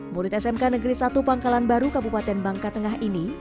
murid smk negeri satu pangkalan baru kabupaten bangka tengah ini